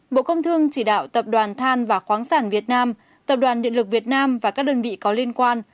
bộ công thương chỉ đạo tập đoàn than và khoáng sản việt nam tập đoàn điện lực việt nam và các đơn vị có liên quan